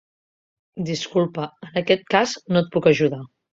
Disculpa, en aquest cas no et puc ajudar.